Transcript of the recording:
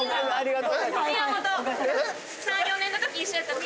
ありがとう！